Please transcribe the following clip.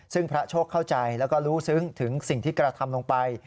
ซึ่งพระโชคเข้าใจแล้วก็รู้ซึ้งถึงสิ่งที่กระทำลงไป